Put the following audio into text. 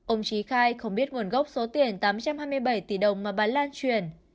ông trí khai không biết nguồn gốc số tiền tám trăm hai mươi bảy tỷ đồng mà bà lan chuyển